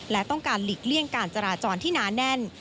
และต้องการหลีกเลี่ยงการจราจรที่หนาแน่น